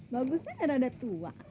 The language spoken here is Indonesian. bagusnya dia rada tua